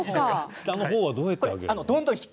下の方はどうやって上げるの？